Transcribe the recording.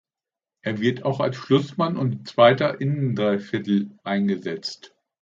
Er wird auch als Schlussmann und zweiter Innendreiviertel eingesetzt.